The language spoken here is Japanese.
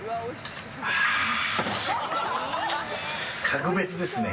格別ですね